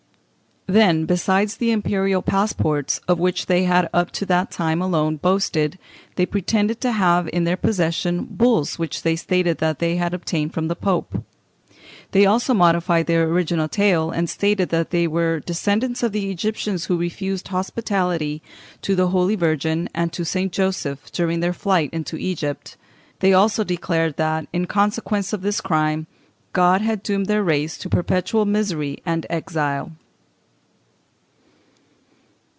Then, besides the imperial passports, of which they had up to that time alone boasted, they pretended to have in their possession bulls which they stated that they had obtained from the Pope. They also modified their original tale, and stated that they were descendants of the Egyptians who refused hospitality to the Holy Virgin and to St. Joseph during their flight into Egypt: they also declared that, in consequence of this crime, God had doomed their race to perpetual misery and exile.